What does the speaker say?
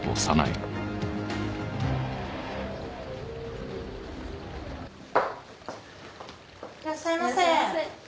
いらっしゃいませ。